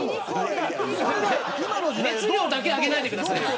熱量だけ上げないでください。